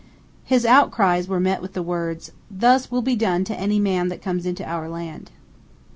Hit outcrles were met with the words, "Thus will be done to any man that comes into our land."